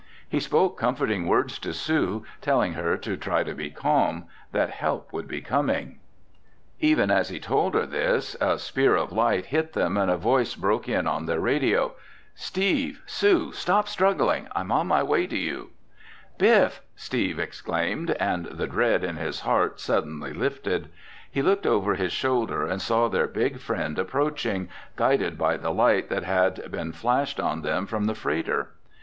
He spoke comforting words to Sue, telling her to try to be calm, that help would be coming. [Illustration: He saw her flinging her arms and legs about like a drowning swimmer] Even as he told her this a spear of light hit them and a voice broke in on their radio: "Steve! Sue! Stop struggling! I'm on my way to you!" "Biff!" Steve exclaimed, and the dread in his heart suddenly lifted. He looked over his shoulder and saw their big friend approaching, guided by the light that had been flashed on them from the freighter.